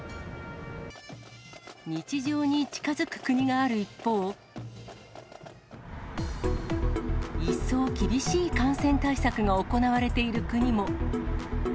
日常に近づく国がある一方、一層厳しい感染対策が行われている国も。